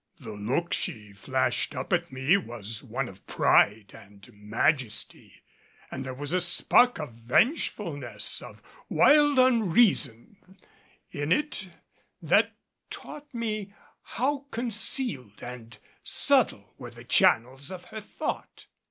The look she flashed up at me was one of pride and majesty, and there was a spark of vengefulness, of wild unreason in it that taught me how concealed and subtle were the channels of her thought.